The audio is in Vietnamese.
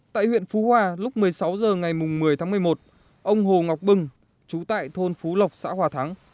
tại huyện phú hòa lúc một mươi sáu h ngày một mươi tháng một mươi một ông hồ ngọc bưng chú tại thôn phú lộc xã hòa thắng